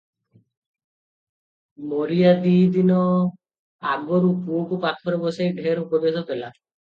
ମରିବା ଦି'ଦିନ ଆଗରୁ ପୁଅକୁ ପାଖରେ ବସାଇ ଢେର ଉପଦେଶ ଦେଲା ।